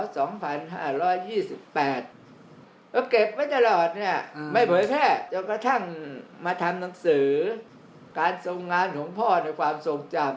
ก็เก็บไว้ตลอดเนี่ยไม่เผยแพร่จนกระทั่งมาทำหนังสือการทรงงานของพ่อในความทรงจำ